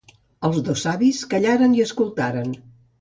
Els dos savis callaren i escoltaren.